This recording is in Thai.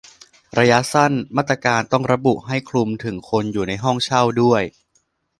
ระยะสั้น มาตรการต้องระบุให้คลุมถึงคนอยู่ห้องเช่าด้วย